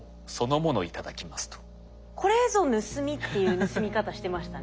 これぞ「盗み」っていう盗み方してましたね。